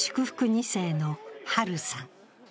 ２世のハルさん。